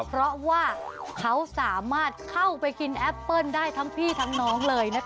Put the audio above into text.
เพราะว่าเขาสามารถเข้าไปกินแอปเปิ้ลได้ทั้งพี่ทั้งน้องเลยนะคะ